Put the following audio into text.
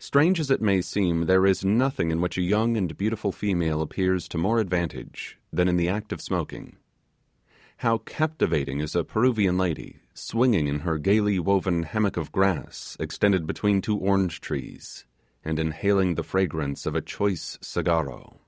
Strange as it may seem, there is nothing in which a young and beautiful female appears to more advantage than in the act of smoking. How captivating is a Peruvian lady, swinging in her gaily woven hammock of grass, extended between two orange trees, and inhaling the fragrance of a choice cigarro!